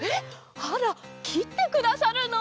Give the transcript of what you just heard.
あらきってくださるの？